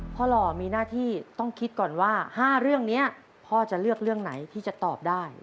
หล่อมีหน้าที่ต้องคิดก่อนว่า๕เรื่องนี้พ่อจะเลือกเรื่องไหนที่จะตอบได้